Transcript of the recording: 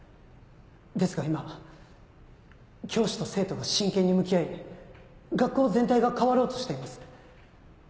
ですが今教師と生徒が真剣に向き合い学校全体が変わろうとしています。